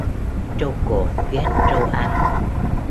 Trâu cột ghét trâu ăn.